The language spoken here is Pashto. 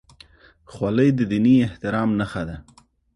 خولۍ د دیني احترام نښه ده.